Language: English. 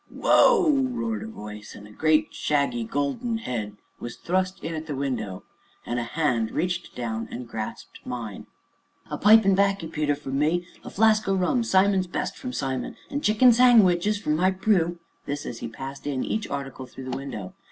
"Whoa!" roared a voice, and a great, shaggy golden head was thrust in at the window, and a hand reached down and grasped mine. "A pipe an' 'baccy, Peter from me; a flask o' rum Simon's best, from Simon; an' chicken sang widges, from my Prue." This as he passed in each article through the window.